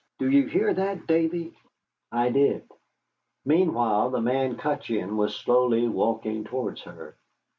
"Do you hear that, Davy?" I did. Meanwhile the man Cutcheon was slowly walking towards her.